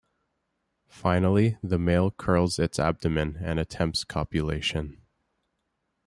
Finally, the male curls its abdomen and attempts copulation.